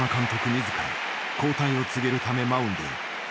自ら交代を告げるためマウンドへ。